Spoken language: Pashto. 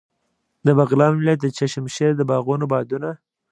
د بغلان ولایت د چشم شیر د باغونو بادونه.